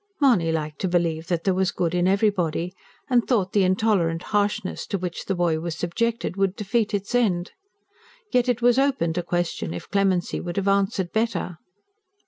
Mahony liked to believe that there was good in everybody, and thought the intolerant harshness which the boy was subjected would defeat its end. Yet it was open to question if clemency would have answered better.